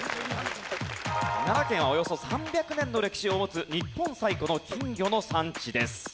奈良県はおよそ３００年の歴史を持つ日本最古の金魚の産地です。